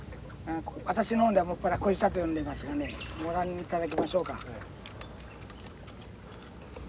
私の方では専らこしたと呼んでますがねご覧いただきましょうか。